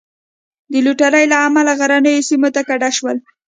د لوټرۍ له امله غرنیو سیمو ته کډه شول.